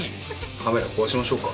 カメラ壊しましょうか？